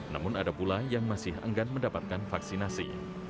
namun ada pula yang masih enggan mendapatkan vaksinasi